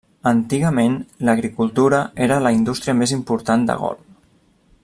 Antigament, l'agricultura era la indústria més important de Gol.